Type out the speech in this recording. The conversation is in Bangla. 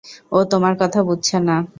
ও তোমার কথা বুঝছে না।